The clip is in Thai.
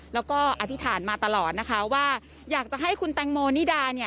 แล้วก็อธิษฐานมาตลอดนะคะว่าอยากจะให้คุณแตงโมนิดาเนี่ย